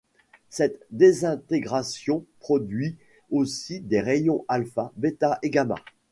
Cette désintégration produit aussi des rayons alpha, bêta et gamma.